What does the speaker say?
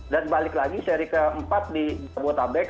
dan balik lagi seri keempat di jabodetabek